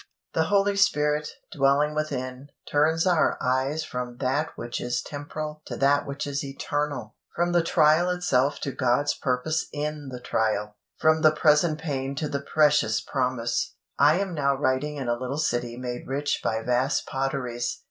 The Holy Spirit, dwelling within, turns our eyes from that which is temporal to that which is eternal; from the trial itself to God's purpose in the trial; from the present pain to the precious promise. I am now writing in a little city made rich by vast potteries.